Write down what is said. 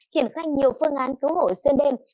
triển khai nhiều phương án cứu hộ xuyên đêm